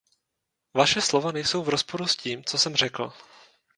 Vaše slova nejsou v rozporu s tím, co jsem řekl.